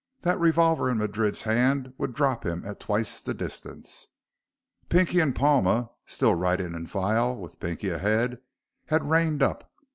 That revolver in Madrid's hand would drop him at twice the distance. Pinky and Palma, still riding in file with Pinky ahead, had reined up.